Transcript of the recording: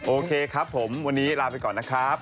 โอเคครับผมวันนี้ลาไปก่อนนะครับ